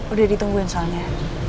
udah ditungguin soalnya